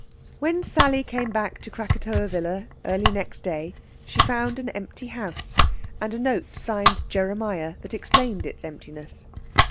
When Sally came back to Krakatoa Villa early next day she found an empty house, and a note signed Jeremiah that explained its emptiness.